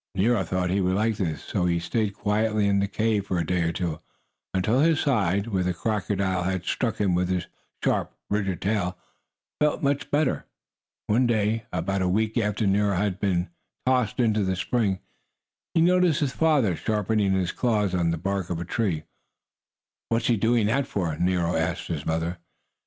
Nero thought he would like this, so he stayed quietly in the cave for a day or two, until his side, where the crocodile had struck him with the sharp ridged tail, felt much better. One day, about a week after Nero had been tossed into the spring, he noticed his father sharpening his claws on the bark of a tree. "What's he doing that for?" Nero asked his mother.